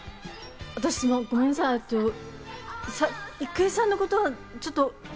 ごめんなさい、郁恵さんのことはちょっと。